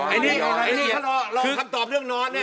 ไอ้นี่เขาลองคำตอบเรื่องนอนนี่